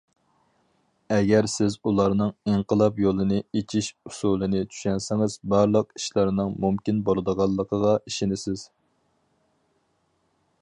ئەگەر سىز ئۇلارنىڭ ئىنقىلاب يولىنى ئېچىش ئۇسۇلىنى چۈشەنسىڭىز، بارلىق ئىشلارنىڭ مۇمكىن بولىدىغانلىقىغا ئىشىنىسىز.